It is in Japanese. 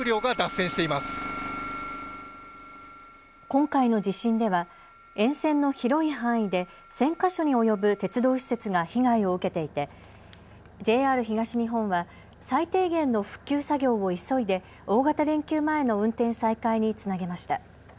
今回の地震では沿線の広い範囲で１０００か所に及ぶ鉄道施設が被害を受けていて、ＪＲ東日本は最低限の復旧作業を急いで大型連休前の運転再開につなげました。